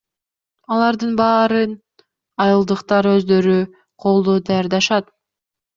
Алардын баарын айылдыктар өздөрү колдо даярдашат.